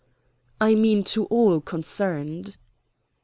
"I mean to all concerned."